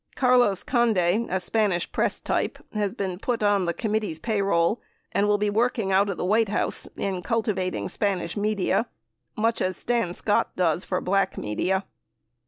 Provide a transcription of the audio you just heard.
Carlos Conde, a Spanish press type, has been put on the Committee's payroll and will be working out of the White House in cultivating Spanish media, much as Stan Scott does for black media.